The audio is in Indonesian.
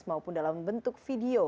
maupun dalam bentuk video